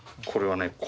これはね